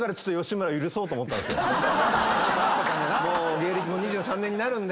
芸歴も２３年になるんで。